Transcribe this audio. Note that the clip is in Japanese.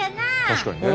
確かにね。